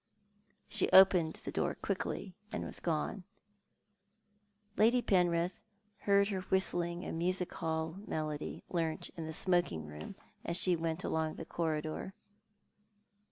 Slio opened the door quickly, and was gone. Lady Penrith heard her whistling a music hall melody, learnt in the smoking room, as she went along the corridor.